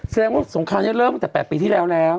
แสดงว่าสงครามนี้เริ่มตั้งแต่๘ปีที่แล้วแล้ว